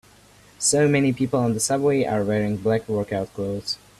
So many people on the subway are wearing black workout clothes.